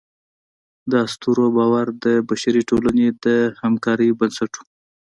د اسطورو باور د بشري ټولنې د همکارۍ بنسټ و.